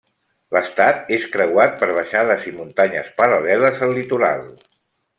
L'estat és creuat per baixades i muntanyes paral·leles al litoral.